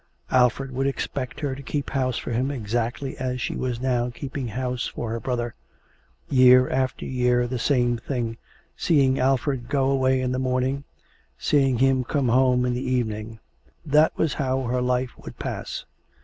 ... Alfred would expect her to keep house for him exactly as she was now keeping house for her brother. Year after year the same thing, seeing Alfred go away in the morning, seeing him come home in the evening. That was how her life would pass.